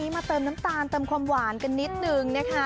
มาเติมน้ำตาลเติมความหวานกันนิดนึงนะคะ